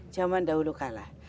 zaman dahulu kala